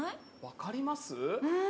わかります？